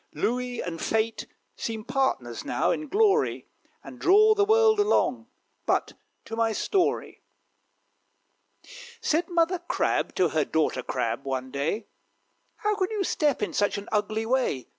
Louis and Fate seem partners now, in glory, And draw the world along. But to my story. Said Mother Crab to Daughter Crab, one day, "How can you step in such an ugly way?